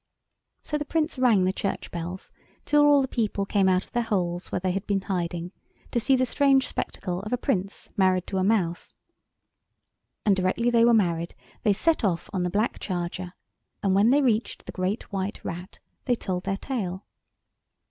So the Prince rang the church bells till all the people came out of their holes where they had been hiding, to see the strange spectacle of a Prince married to a Mouse. And directly they were married they set off on the black charger, and when they reached the Great White Rat they told their tale.